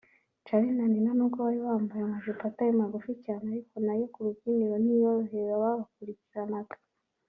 Charly na Nina nubwo bari bambaye anajipo atari magufi cyane ariko nayo kurubyiniro ntiyohoye ababakurikiranaga